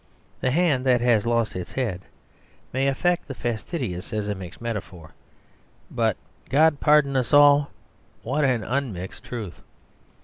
A hand that has lost its head may affect the fastidious as a mixed metaphor; but, God pardon us all, what an unmixed truth!